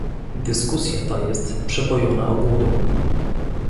Dyskusja ta jest przepojona obłudą